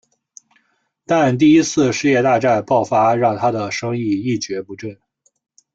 但第一次世界大战爆发让他的生意一蹶不振。